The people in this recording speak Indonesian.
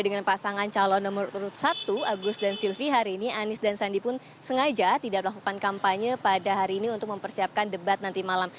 dengan pasangan calon nomor urut satu agus dan silvi hari ini anies dan sandi pun sengaja tidak melakukan kampanye pada hari ini untuk mempersiapkan debat nanti malam